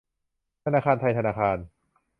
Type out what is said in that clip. ธนาคารไทยธนาคาร